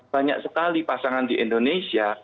banyak sekali pasangan di indonesia